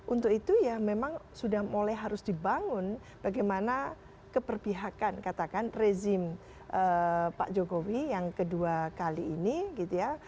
untuk itu ya memang sudah mulai harus dibangun bagaimana keperpihakan katakan rezim pak jokowi yang kedua kali ini gitu ya